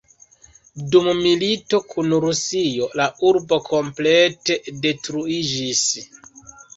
Dum milito kun Rusio, la urbo komplete detruiĝis.